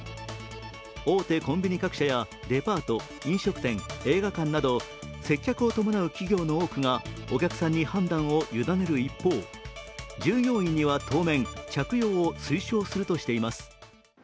大手コンビニ各社やデパート、飲食店、映画館など接客を伴う企業の多くがお客さんに判断を委ねる一方、従業員には当面、着用を推奨するとしています。